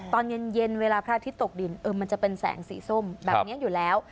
ตอนเย็นเวลาพระอาทิตย์ตกดินมันจะเป็นแสงสีส้มแบบนี้อยู่แล้ว